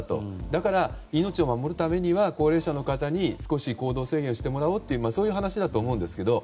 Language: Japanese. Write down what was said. だから、命を守るためには高齢者の方に少し行動制限視てもらおうというそういう話だと思うんですけど。